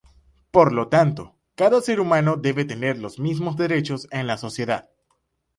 Por lo tanto, cada ser humano debe tener los mismos derechos en la sociedad.